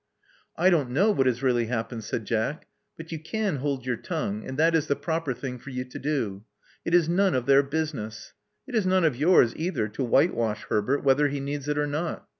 I don't know what has really happened," said Jack. But you can hold your tongue; and that is the proper thing for you to do. It is none of their business. It is none of yours, either, to whitewash Herbert, whether he needs it or not.